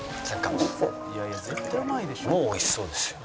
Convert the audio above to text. もうおいしそうですよ。